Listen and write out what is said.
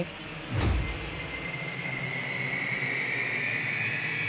พาน้องต้นไปพนักธิบดี